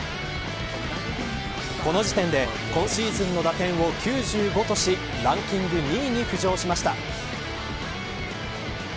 この時点で今シーズンの打点を９５としランキング２位に浮上しました。